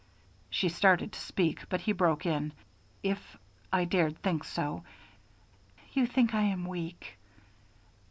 She started to speak, but he broke in: "If I dared think so " "You think I am weak."